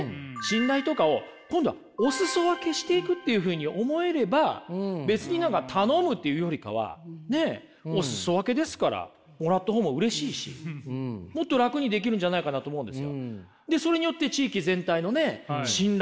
信頼とかを今度はおすそ分けしていくっていうふうに思えれば別に何か頼むっていうよりかはおすそ分けですからもらった方もうれしいしもっと楽にできるんじゃないかなと思うんですよ。